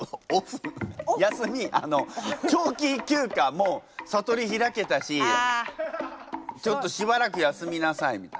もう悟り開けたしちょっとしばらく休みなさいみたいな。